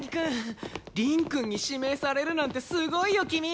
凛くんに指名されるなんてすごいよ君！